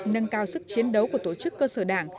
nâng cao sức chiến đấu của tổ chức cơ sở đảng